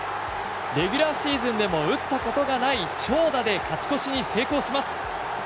レギュラーシーズンでも打ったことがない長打で勝ち越しに成功します。